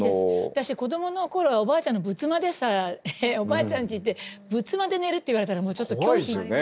私子供のころはおばあちゃんの仏間でさえおばあちゃんち行って仏間で寝るって言われたらちょっと拒否。